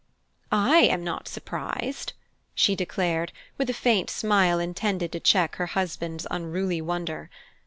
"I am not surprised," she declared, with a faint smile intended to check her husband's unruly wonder.